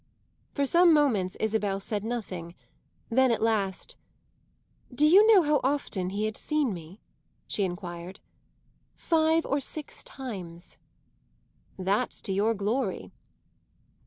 For some moments Isabel said nothing; then at last, "Do you know how often he had seen me?" she enquired. "Five or six times." "That's to your glory."